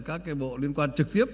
các cái bộ liên quan trực tiếp